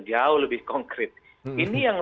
jauh lebih konkret ini yang